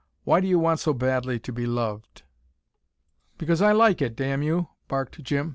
Why do you want so badly to be loved?" "Because I like it, damn you," barked Jim.